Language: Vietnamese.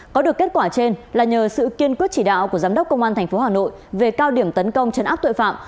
có được kết quả trên là nhờ sự kiên quyết chỉ đạo của giám đốc công an tp hà nội về cao điểm tấn công chấn áp tội phạm